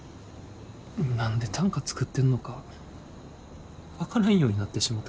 何で短歌作ってんのか分からんようになってしもた。